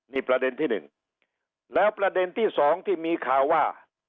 นี่ประเด็นที่หนึ่งแล้วประเด็นที่สองที่มีข่าวว่า